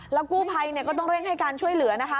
แล้วกู้ภัยก็ต้องเร่งให้การช่วยเหลือนะคะ